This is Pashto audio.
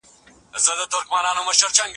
نړيوالو سره سيالي وکړو.